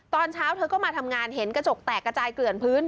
ตอนเช้าเธอก็มาทำงานเห็นกระจกแตกกระจายเกลื่อนพื้น